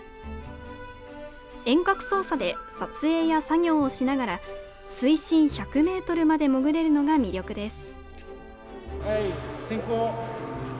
遠隔操作で撮影や作業をしながら水深１００ｍまで潜れるのが魅力です。